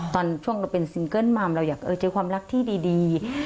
ตอนช่วงเราเป็นซิงเกิ้ลมัมเราอยากเจอความรักที่ดี